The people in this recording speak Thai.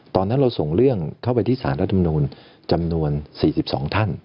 ตอนนั้นเราส่งเรื่องเข้าไปที่สารรัฐมนูลจำนวน๔๒ท่าน